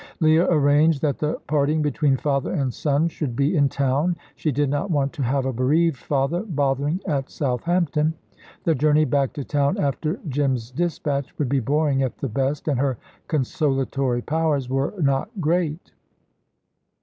Leah arranged that the parting between father and son should be in town. She did not want to have a bereaved father bothering at Southampton. The journey back to town after Jim's dispatch would be boring at the best, and her consolatory powers were not great.